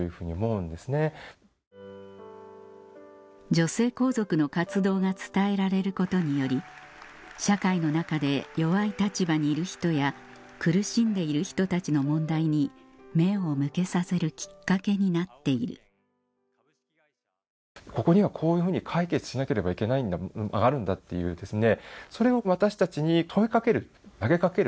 女性皇族の活動が伝えられることにより社会の中で弱い立場にいる人や苦しんでいる人たちの問題に目を向けさせるきっかけになっているそういう役割を担ってきたと思うんですね。